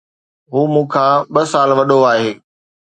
هو مون کان ٻه سال وڏو آهي